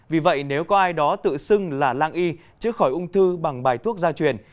vì vậy nếu có ai đó tự xưng là lang y chứ khỏi ung thư bằng bài thuốc gia truyền